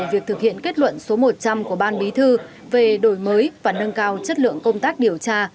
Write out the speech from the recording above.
về thực hiện kết luận số một trăm linh của ban bí thư về đổi mới và nâng cao chất lượng công tác điều tra